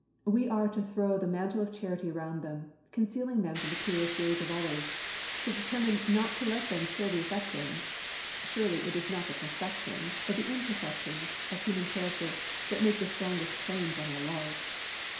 We are to throw the mantle of charity around them, concealing them from the curious gaze of others; to determine not to let them chill the affections. Surely it is not the perfections, but the imperfections, of human character that make the strongest claims on our love.